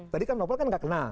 tadi kan novel gak kena